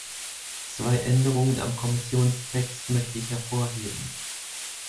Zwei Änderungen am Kommissionstext möchte ich hervorheben.